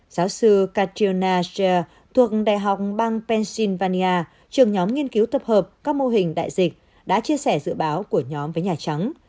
giáo sư kationasher thuộc đại học bang pennsylvania trường nhóm nghiên cứu tập hợp các mô hình đại dịch đã chia sẻ dự báo của nhóm với nhà trắng